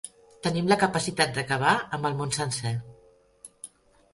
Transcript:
Tenim la capacitat d'acabar amb el món sencer.